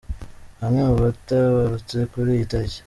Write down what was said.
Bamwe mu batabarutse kuri iyi tariki.